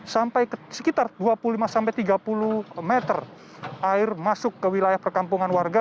sampai sekitar dua puluh lima sampai tiga puluh meter air masuk ke wilayah perkampungan warga